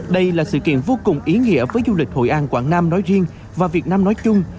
đây là sự kiện vô cùng ý nghĩa với du lịch hội an quảng nam nói riêng và việt nam nói chung